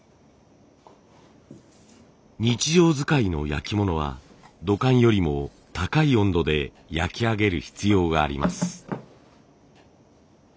日常使いの焼き物は土管よりも高い温度で焼き上げる必要があります。